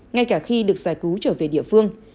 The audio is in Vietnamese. ngay cả khi được giải cứu trở về địa phương